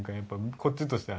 こっちとしては。